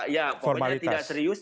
ya pokoknya tidak serius